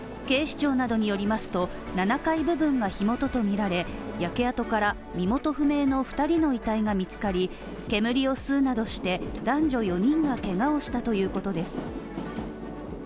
警視庁などによりますと、７階部分が火元とみられ、焼け跡から身元不明の２人の遺体が見つかり、煙を吸うなどして男女４人がけがをしたということです。